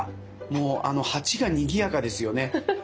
もうあの鉢がにぎやかですよね。